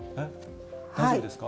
大丈夫ですか？